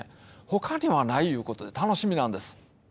他にはないいうことで楽しみなんです。